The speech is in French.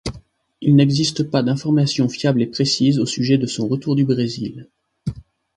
Il n'existe pas d'information fiable et précise au sujet de son retour du Brésil.